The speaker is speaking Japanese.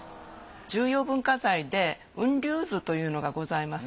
重要文化財で『雲龍図』というのがございます。